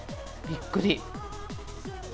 びっくり。